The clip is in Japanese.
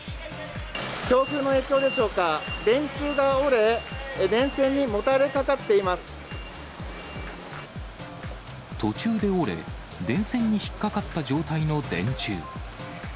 強風の影響でしょうか、電柱が折れ、途中で折れ、電線に引っ掛かった状態の電柱。